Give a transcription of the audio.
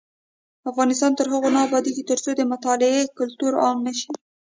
افغانستان تر هغو نه ابادیږي، ترڅو د مطالعې کلتور عام نشي.